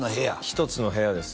１つの部屋です